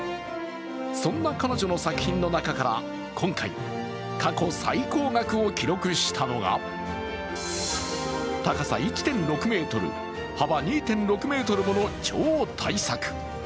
そんな彼女の作品の中から、今回、過去最高額を記録したのが高さ１．６ｍ、幅２．６ｍもの超大作。